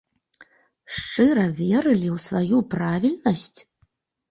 Шчыра верылі ў сваю правільнасць?